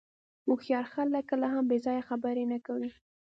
هوښیار خلک کله هم بې ځایه خبرې نه کوي.